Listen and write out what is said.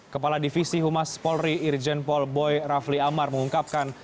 kepala divisi humas polri irjen paul boy rafli amar mengungkapkan